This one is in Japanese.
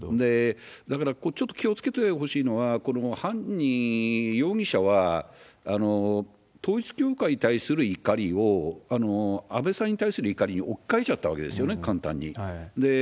だから、ちょっと気をつけてほしいのは、この犯人、容疑者は、統一教会に対する怒りを、安倍さんに対する怒りに置き換えちゃったわけですよね、簡単に。